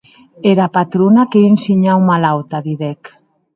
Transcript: Era patrona qu’ei un shinhau malauta, didec.